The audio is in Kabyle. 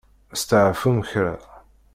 Steɛfum kra.